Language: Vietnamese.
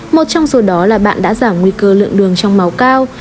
một trong số đó là bạn đã giảm nguy cơ lượng đường trong máu cao